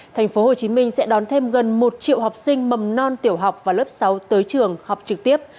tp hcm sẽ đón thêm gần một triệu học sinh mầm non tiểu học và lớp sáu tới trường học trực tiếp